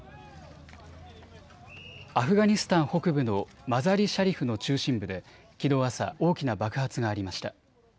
アフガニスタン北部のマザリシャリフの中心部できのう朝、大きな爆発がありました。